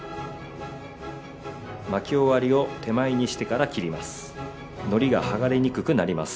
巻き終わりを手前にしてから切ります。